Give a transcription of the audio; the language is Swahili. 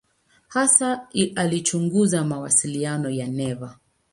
Hasa alichunguza mawasiliano ya neva.